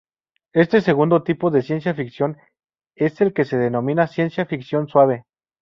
Este segundo tipo de ciencia ficción es el que se denomina "ciencia ficción suave".